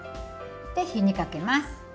で火にかけます。